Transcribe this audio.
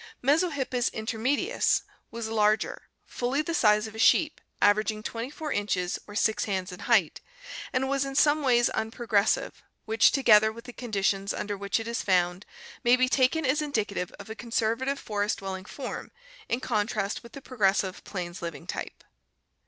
Mesohippus in termedius was larger, fully the size of a sheep, averaging 24 inches or 6 hands in height, and was in some ways unprogressive, which, to gether with the conditions under which it is found, may be taken as indicative of a con servative forest dwelling form in contrast with the progressive plains living type.